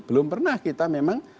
belum pernah kita memang